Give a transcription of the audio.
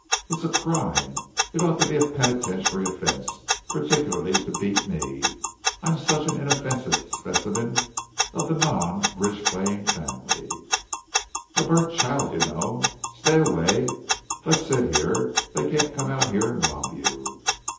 It's a crime. It ought to be a penitentiary offense, particularly to beat me. I'm such an inoffensive specimen of the non bridge playing family." "A burnt child, you know. Stay away. Let's sit here. They can't come out here and rob you."